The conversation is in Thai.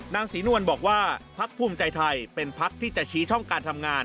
นางศรีนวลบอกว่าพักภูมิใจไทยเป็นพักที่จะชี้ช่องการทำงาน